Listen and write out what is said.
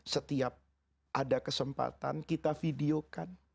setiap ada kesempatan kita videokan